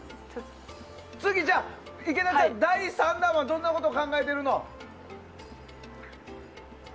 次、じゃあ池田ちゃん第３弾はどんなことを考えてるの？